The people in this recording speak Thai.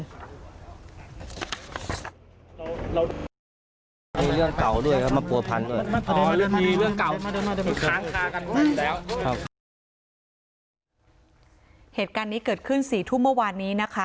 เรื่องเก่าด้วยนะมาปลัวพันด้วยเหตุการณ์นี้เกิดขึ้นสี่ทุ่มเมื่อวานนี้นะคะ